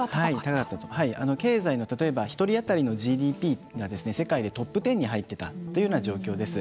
経済の、例えば１人当たりのＧＤＰが世界でトップ１０に入ってたというような状況です。